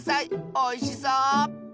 おいしそう！